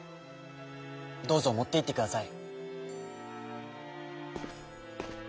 どうぞもっていってください」。